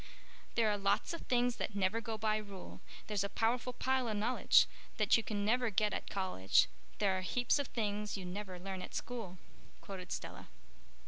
"'There are lots of things that never go by rule, There's a powerful pile o' knowledge That you never get at college, There are heaps of things you never learn at school,'" quoted Stella.